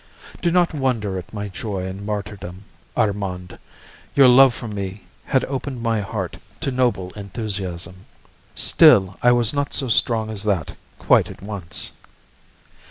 Do not wonder at my joy in martyrdom, Armand; your love for me had opened my heart to noble enthusiasm. Still, I was not so strong as that quite at once.